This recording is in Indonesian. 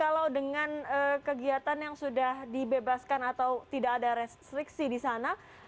kalau dengan kegiatan yang sudah dibebaskan atau tidak ada restriksi di sana